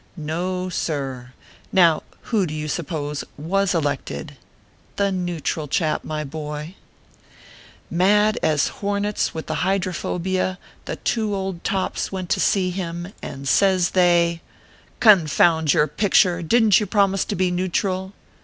No, sir ! Now, who do you suppose ivas elected ? The Neutral Chap, my boy ! Mad as hornets with the hydrophobia, the two old tops went to see him, and says they : 154 ORPHEUS C. KERR PAPERS. " Confound your picture, didn t you promise to be neutral